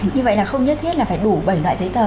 như vậy là không nhất thiết là phải đủ bảy loại giấy tờ